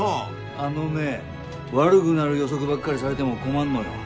あのね悪ぐなる予測ばっかりされでも困んのよ。